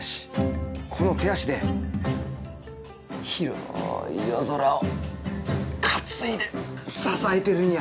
この手足で広い夜空を担いで支えてるんや。